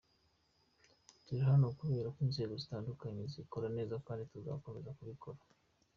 Turi hano kubera ko inzego zitandukanye zikora neza kandi tuzakomeza kubikora.